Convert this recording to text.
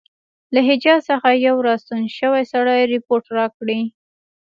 له حجاز څخه یو را ستون شوي سړي رپوټ راکړی.